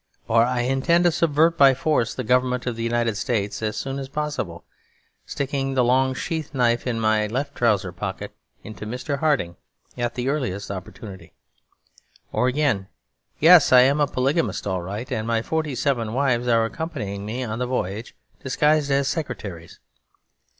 Or, 'I intend to subvert by force the government of the United States as soon as possible, sticking the long sheath knife in my left trouser pocket into Mr. Harding at the earliest opportunity.' Or again, 'Yes, I am a polygamist all right, and my forty seven wives are accompanying me on the voyage disguised as secretaries.'